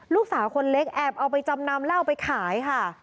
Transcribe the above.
ลูกสาวคนเล็กแอบเอาไปจำนำเหล้าไปขายค่ะ